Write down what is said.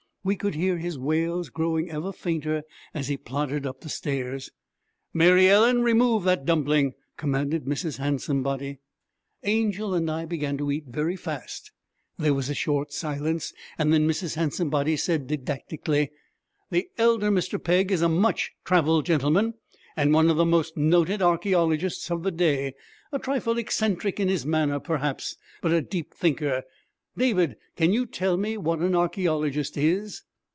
We could hear his wails growing ever fainter as he plodded up the stairs. 'Mary Ellen, remove that dumpling!' commanded Mrs. Handsomebody. Angel and I began to eat very fast. There was a short silence; then Mrs. Handsomebody said didactically, 'The elder Mr. Pegg is a much traveled gentleman, and one of the most noted archæologists of the day. A trifle eccentric in his manner, perhaps, but a deep thinker. David, can you tell me what an archæologist is?'